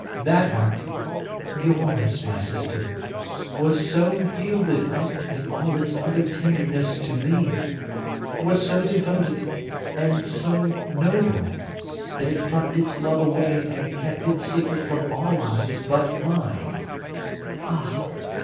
That heart—yours, my sister!—was so yielded up, in all its other tenderness, to me; was so devoted, and so noble; that it plucked its love away, and kept its secret from all eyes but mine—Ah!